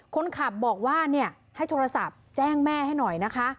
คนขับบอกว่าให้โทรศัพท์แจ้งแม่ให้หน่อยนะคะ